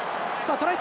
トライ